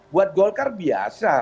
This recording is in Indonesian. buat golkar biasa